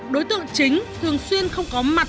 đối tượng chính thường xuyên không có mặt